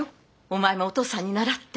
お前もお父さんに倣って。